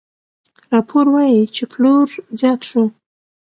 راپور وايي چې پلور زیات شو.